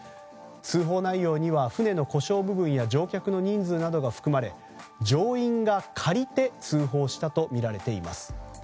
通報内容には船の故障部分や乗客の人数などが含まれ乗員が借りて通報したとみられています。